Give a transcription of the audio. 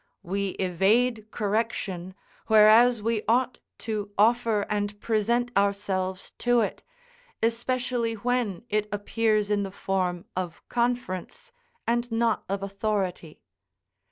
We evade correction, whereas we ought to offer and present ourselves to it, especially when it appears in the form of conference, and not of authority.